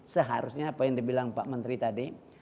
seharusnya apa yang di bilang pak menteri tadi